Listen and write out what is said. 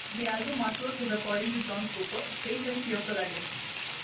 The album artwork is, according to John Cooper, faith and fear colliding.